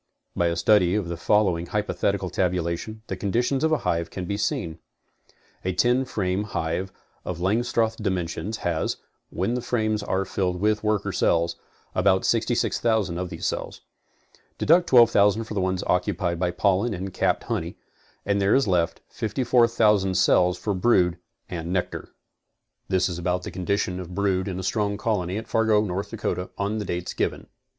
By.a study of the following hypothetical tabulation, the conditions of a hive can be seen. A ten frame hive of Langstroth dimentions has, when the frames are filled with worker cells, about 66,000 of these cells. 'Deduct 12,000 for the ones occupied by pollen and capped honey and there is left 54,000 cells for brood and nectar. This is about the condition of brood in a strong colony at Fargo, North Dakota on the given dates.